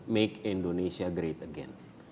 make indonesia great again